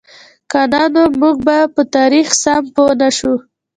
که نه نو موږ به په تاریخ سم پوهـ نهشو.